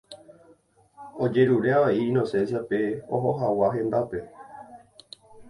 Ojerure avei Inocencia-pe oho hag̃ua hendápe.